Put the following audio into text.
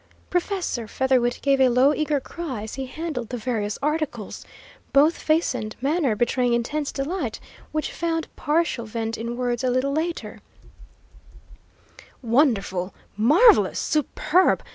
Professor Featherwit gave a low, eager cry as he handled the various articles, both face and manner betraying intense delight, which found partial vent in words a little later. "Wonderful! Marvellous! Superb!